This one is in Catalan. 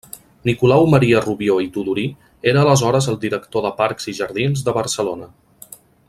Nicolau Maria Rubió i Tudurí era aleshores el director de Parcs i jardins de Barcelona.